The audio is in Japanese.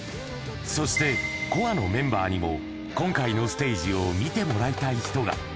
そして、鼓和のメンバーにも、今回のステージを見てもらいたい人が。